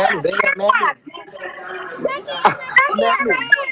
พี่อาจะไปด่าแม่หนูด้วยนะแม่หนู